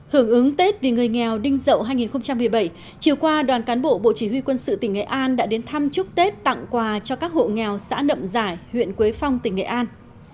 hưởng ứng tết vì người nghèo đinh dậu hai nghìn một mươi bảy chiều qua đoàn cán bộ bộ chỉ huy quân sự tỉnh nghệ an đã đến thăm chúc tết tặng quà cho các hộ nghèo xã nậm giải huyện quế phong tỉnh nghệ an